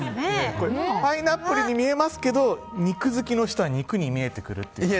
パイナップルに見えますけど肉好きの人は肉に見えてくるっていう。